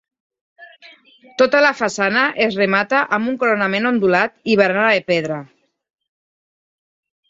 Tota la façana es remata amb un coronament ondulat i barana de pedra.